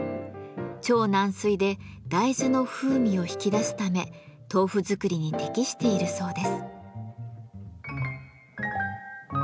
超軟水で大豆の風味を引き出すため豆腐作りに適しているそうです。